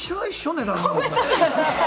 値段。